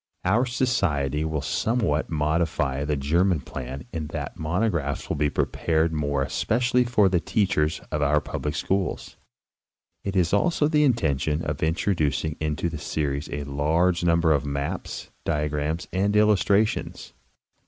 * Our Society will somewhat modify the German plan in that the monographs will be prepared more especially for the teachers of our public schools. It is also the intention of introducing into the series a large number of maps, diagrams and illustra tions.